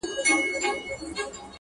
په خپله کلیواله لهجه ږغېدله